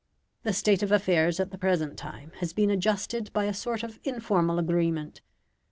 The state of affairs at the present time has been adjusted by a sort of informal agreement.